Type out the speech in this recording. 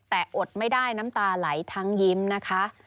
แต่อดไม่ได้น้ำตาไหลทั้งยิ้มนะคะ